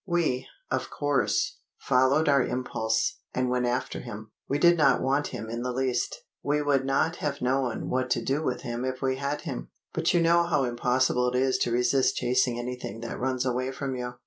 We, of course, followed our impulse, and went after him. We did not want him in the least. We would not have known what to do with him if we had him. But you know how impossible it is to resist chasing anything that runs away from you.